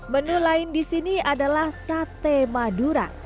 menu lain di sini adalah sate madura